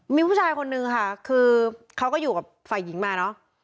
มีผู้ชายคนนึงค่ะคือเขาก็อยู่กับฝ่ายหญิงมาเนอะ